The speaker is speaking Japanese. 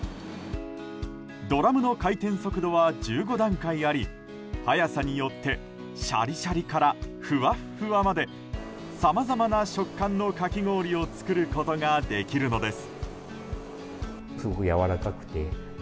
ドラムの回転速度は１５段階あり速さによってシャリシャリからふわっふわまでさまざまな食感のかき氷を作ることができるのです。